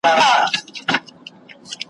اووه کاله خلکو وکرل کښتونه `